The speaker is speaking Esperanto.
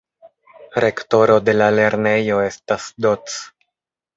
Rektoro de la lernejo estas Doc.